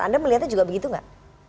anda melihatnya juga begitu nggak